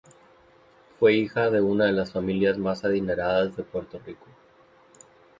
Fue hija de una de las familias más adineradas de Puerto Rico.